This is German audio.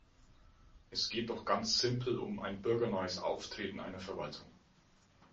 Es geht doch ganz simpel um ein bürgernahes Auftreten einer Verwaltung.